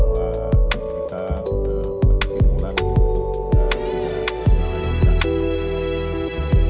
bahwa kita bersimulan dan kita menjalankan